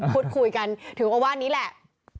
พูดคุยกันถึงก็ว่านี้แหละ